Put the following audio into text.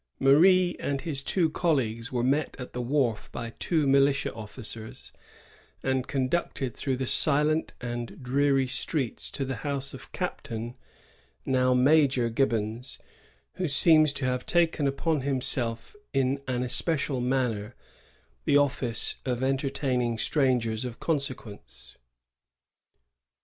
Marie and his two colleagues were met at the wharf by two militia officers, and conducted through the silent and dreary streets to the house of Captain, now Major, Gibbons, who seems to have taken upon himself in an especial manner the office of entertaining strangers of consequence.